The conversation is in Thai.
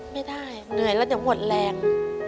ไม่ได้เหนื่อยแล้วจะหมดแรง